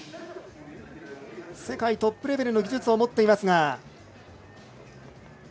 世界トップレベルの技術を持っていますが。